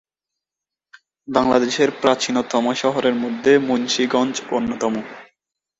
বাংলাদেশের প্রাচীনতম শহরের মধ্যে মুন্সিগঞ্জ অন্যতম।